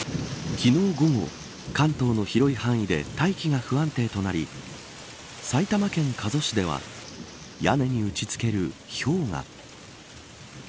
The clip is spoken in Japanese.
昨日午後、関東の広い範囲で大気が不安定となり埼玉県加須市では屋根に打ちつけるひょうが。